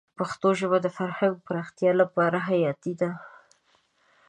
پښتو ژبه د فرهنګ پراختیا لپاره حیاتي ده.